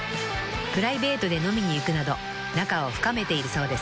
［プライベートで飲みに行くなど仲を深めているそうです］